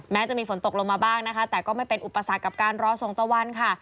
จะมีฝนตกลงมาบ้างนะคะแต่ก็ไม่เป็นอุปสรรคกับการรอส่งตะวันค่ะ